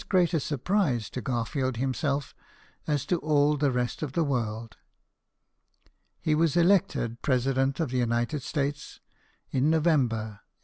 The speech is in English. t a surprise to Garfield himself as to all the rest of the world. He was elected President of the United States in November, 1880.